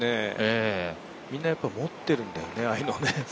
みんな、やっぱ持ってるんだよね、ああいうのをね。